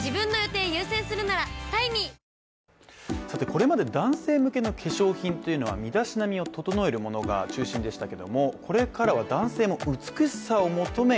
これまで男性向けの化粧品というのは身だしなみを整えるものが中心でしたけれどもこれからは男性も美しさを求め